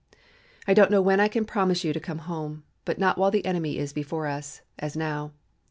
I don't know when I can promise you to come home, but not while the enemy is before us, as now.